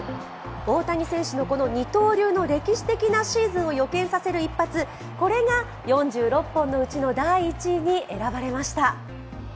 大谷選手の二刀流の歴史的なシーズンを予見させる一発これが４６本のうちの第１位に選ばれました。